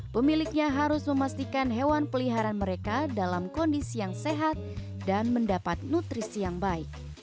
pemiliknya harus memastikan hewan peliharaan mereka dalam kondisi yang sehat dan mendapat nutrisi yang baik